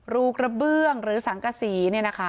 รูกระเบื้องหรือสังกษี